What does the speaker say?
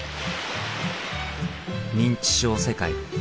「認知症世界」。